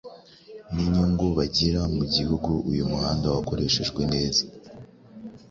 n’inyungu bagira mu gihe uyu muhanda wakoreshejwe neza.